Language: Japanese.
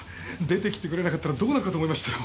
出てきてくれなかったらどうなるかと思いましたよ。